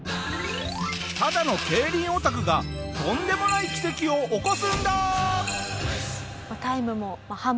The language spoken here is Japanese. ただの競輪オタクがとんでもない奇跡を起こすんだ！